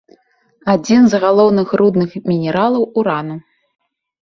Адзін з галоўных рудных мінералаў урану.